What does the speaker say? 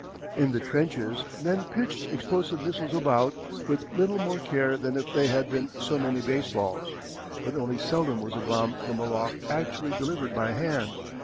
In the trenches men pitched explosive missiles about with little more care than if they had been so many baseballs, but only seldom was a bomb from aloft actually delivered by hand.